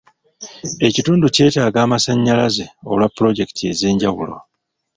Ekitundu kyetaaga amasannyalaze olwa pulojekiti ez'enjawulo.